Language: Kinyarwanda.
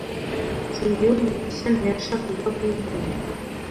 Nsengiyumva gusa ntiyashakaga kumbona.